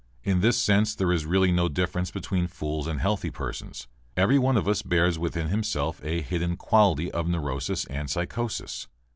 In this sense there is really no difference between fools and healthy persons. Everyone of us bears within himself a hidden quantity of neurosis and psychosis.